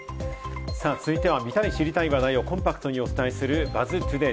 続いては、見たい、知りたい話題をコンパクトにお伝えするＢＵＺＺ